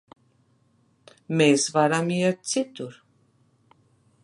Mēs varam iet citur.